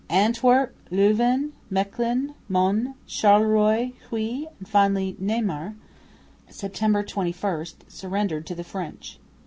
Antwerp, Louvain, Mechlin, Mons, Charleroi, Huy and finally Namur (September 21) surrendered to the French.